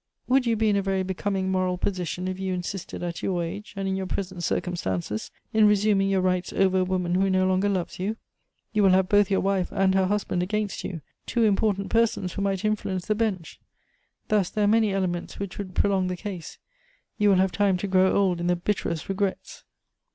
Would you be in a very becoming moral position if you insisted, at your age, and in your present circumstances, in resuming your rights over a woman who no longer loves you? You will have both your wife and her husband against you, two important persons who might influence the Bench. Thus, there are many elements which would prolong the case; you will have time to grow old in the bitterest regrets."